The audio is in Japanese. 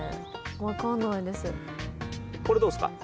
これどうっすか？